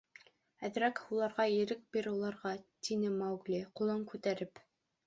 — Әҙерәк һуларға ирек бир уларға, — тине Маугли, ҡулын күтәреп.